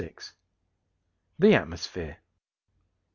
THE ATMOSPHERE.